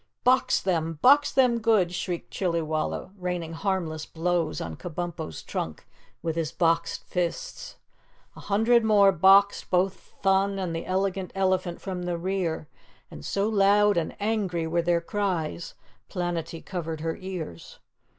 "Box them! Box them good!" shrieked Chillywalla, raining harmless blows on Kabumpo's trunk with his boxed fists. A hundred more boxed both Thun and the Elegant Elephant from the rear, and so loud and angry were their cries Planetty covered her ears.